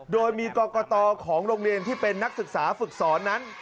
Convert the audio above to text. โดยมีกรกตของโรงเรียนที่เป็นนักศึกษาฝึกสอนนั้น